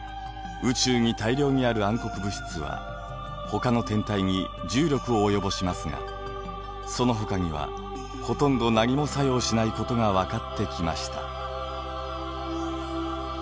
宇宙に大量にある暗黒物質はほかの天体に重力を及ぼしますがそのほかにはほとんど何も作用しないことが分かってきました。